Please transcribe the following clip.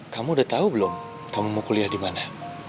kamu udah tau belum kamu mau kuliah dimana